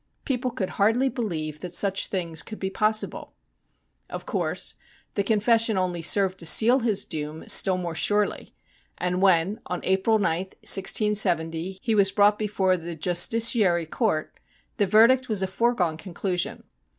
People could hardly believe that such things could be possible. Of course, the confession only served to seal his doom still more surely, and when, on April 9, 1670, he was brought before the Justiciary Court, the verdict was a foregone con clusion.